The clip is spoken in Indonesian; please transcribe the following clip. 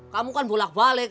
kamu kan bulanan